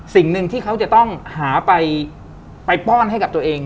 สิ่งหนึ่งที่เขาจะต้องหาไปป้อนให้กับตัวเอง